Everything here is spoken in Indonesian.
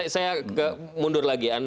saya mundur lagi